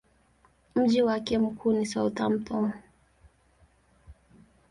Mji wake mkuu ni Southampton.